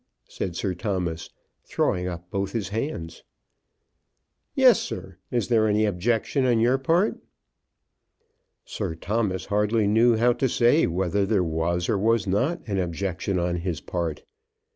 said Sir Thomas, throwing up both his hands. "Yes, sir; is there any objection on your part?" Sir Thomas hardly knew how to say whether there was or was not an objection on his part.